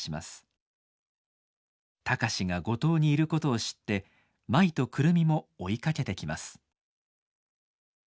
貴司が五島にいることを知って舞と久留美も追いかけてきます。